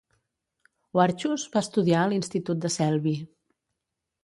Warchus va estudiar a l'institut de Selby.